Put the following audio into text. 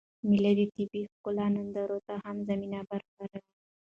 مېلې د طبیعي ښکلاوو نندارې ته هم زمینه برابروي.